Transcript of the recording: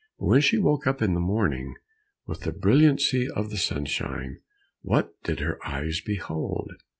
But when she woke up in the morning with the brilliancy of the sunshine, what did her eyes behold?